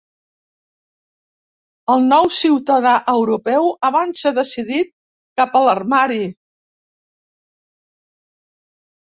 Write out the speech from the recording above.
El nou ciutadà europeu avança decidit cap a l'armari.